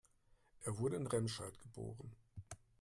Er wurde in Remscheid geboren